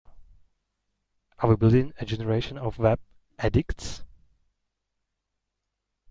Are we building a generation of web addicts?